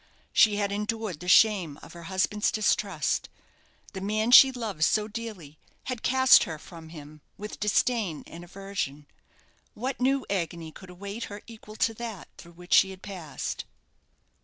She had endured the shame of her husband's distrust. The man she loved so dearly had cast her from him with disdain and aversion. What new agony could await her equal to that through which she had passed.